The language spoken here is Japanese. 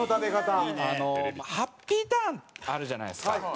ハッピーターンあるじゃないですか。